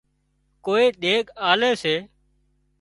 ڪوئي ۮيڳ آلي سي